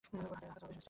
ওর হাঁটা বেশ স্টাইলিশ।